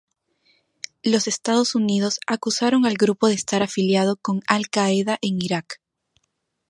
Los Estados Unidos acusaron al grupo de estar afiliado con Al Qaeda en Irak.